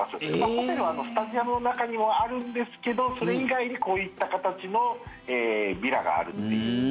ホテルはスタジアムの中にもあるんですけどそれ以外にこういった形のヴィラがあると。